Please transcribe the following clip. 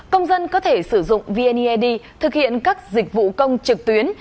công dân có thể sử dụng vneid thực hiện các dịch vụ công trực tuyến